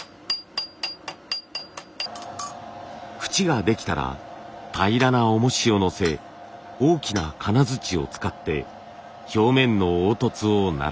フチができたら平らなおもしをのせ大きな金づちを使って表面の凹凸をならします。